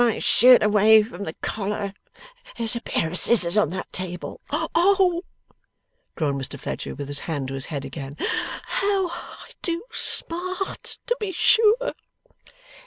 Cut my shirt away from the collar; there's a pair of scissors on that table. Oh!' groaned Mr Fledgeby, with his hand to his head again. 'How I do smart, to be sure!